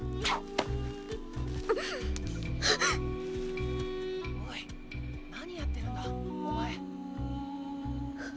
あっ⁉おい何やってるんだお前。